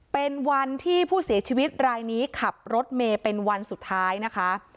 เป็นวันที่ผู้เสียชีวิตรายนี้ขับรถเมย์เป็นวันสุดท้ายนะคะ